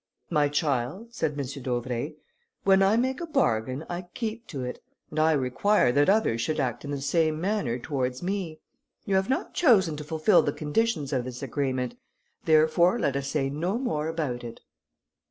"My child," said M. d'Auvray, "when I make a bargain I keep to it, and I require that others should act in the same manner towards me. You have not chosen to fulfil the conditions of this agreement, therefore let us say no more about it."